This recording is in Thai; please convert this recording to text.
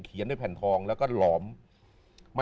เขียนในแผ่นทองแล้วก็หลอม